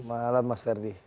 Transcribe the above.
selamat malam mas ferdi